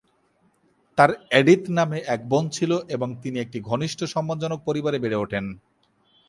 তার এডিথ নামে এক বোন ছিল এবং তিনি একটি ঘনিষ্ঠ, সম্মানজনক পরিবারে বেড়ে ওঠেন।